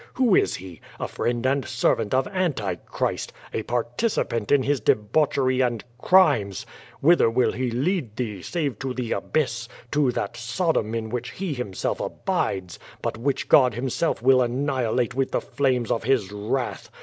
Who is he? A friend and servant of Antichrist, a participant in his de bauchery and crimes. Whither will he lead thee, save to the abyss, to that Sodom in which he himself abides, but which God himself will annihilate with the ilames of His wrath?